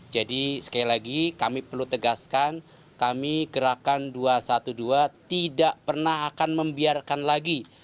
jadi sekali lagi kami perlu tegaskan kami gerakan dua ratus dua belas tidak pernah akan membiarkan lagi